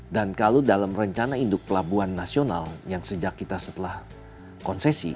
dan kalau dalam rencana induk pelabuhan nasional yang sejak kita setelah konsesi